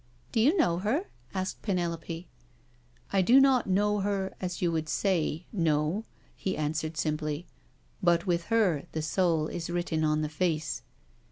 "Do you know her?" asked Penelope. " I do not know her as you would say ' know/ '* he answered simply, " but with her the soul is written on the face.'